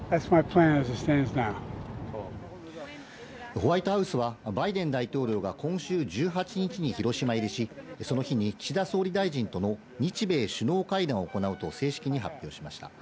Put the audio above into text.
ホワイトハウスは、バイデン大統領が今週１８日に広島入りし、その日に岸田総理大臣との日米首脳会談を行うと正式に発表しました。